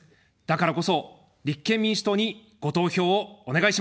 だからこそ立憲民主党にご投票をお願いします。